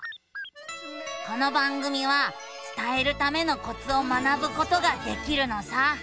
この番組は伝えるためのコツを学ぶことができるのさ。